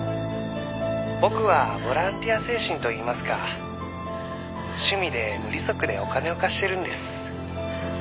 「僕はボランティア精神といいますか趣味で無利息でお金を貸してるんです」